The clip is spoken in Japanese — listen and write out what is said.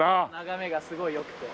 眺めがすごい良くて。